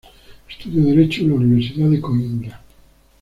Estudió Derecho en la Universidad de Coímbra.